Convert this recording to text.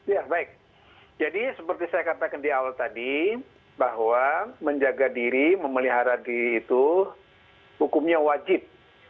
ya baik jadi seperti saya katakan di awal tadi bahwa menjaga diri memelihara diri itu hukumnya wajib